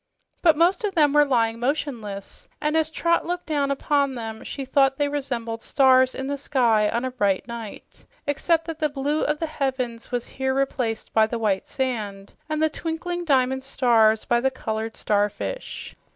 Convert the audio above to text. But most of them were lying motionless, and as Trot looked down upon them she thought they resembled stars in the sky on a bright night, except that the blue of the heavens was here replaced by the white sand, and the twinkling diamond stars by the colored starfish.